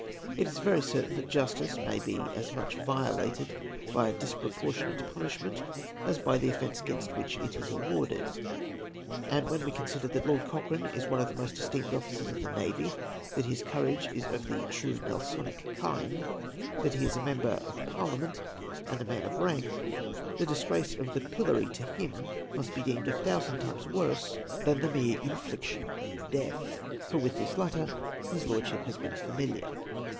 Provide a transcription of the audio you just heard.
It is very certain that justice may be as much violated by a disproportionate punishment, as by the offence against which it is awarded ; and when we consider tliat Lord Coch rane is one of the most esteemed officers of the navy, that his courage is of the true Nelsonic kind, that he is a member of Parliament, and a man of rank, the disgrace of the pillory to him must be deemed a thousand times worse than the mere 478 APPENDIX XX. infliction of death, for with this latter his Lordship has been familiar.